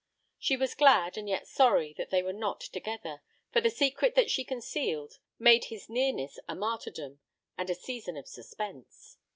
She was glad and yet sorry that they were not together, for the secret that she concealed made his nearness a martyrdom and a season of suspense.